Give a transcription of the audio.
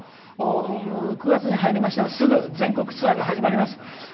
９月に入りましたらすぐ全国ツアーが始まります。